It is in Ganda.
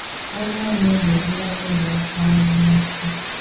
Waliwo ennyimba eziraga ebyafaayo by'ensi.